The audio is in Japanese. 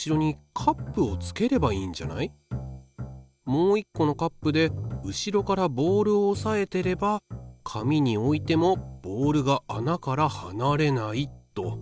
もう一個のカップで後ろからボールをおさえてれば紙に置いてもボールが穴からはなれないと。